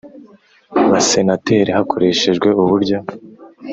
Basenateri hakoreshejwe uburyo